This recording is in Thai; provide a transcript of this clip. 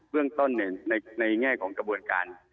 เรื่องต้นในแง่ของกระบวนการ